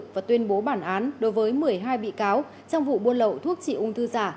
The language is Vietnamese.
và tuyên bố bản án đối với một mươi hai bị cáo trong vụ buôn lậu thuốc trị ung thư giả